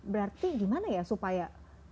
berarti gimana ya supaya